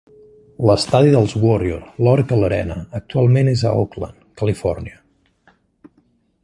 L'estadi dels Warrior, l'Oracle Arena, actualment és a Oakland, Califòrnia.